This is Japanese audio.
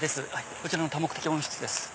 この多目的温室です。